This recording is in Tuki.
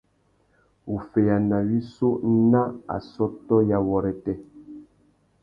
Wuffeyana wissú nà assôtô ya wôrêtê.